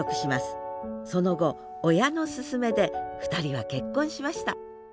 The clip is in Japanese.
その後親の勧めで２人は結婚しました